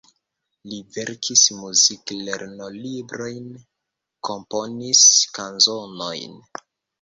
Li verkis muzik-lernolibrojn, komponis kanzonojn.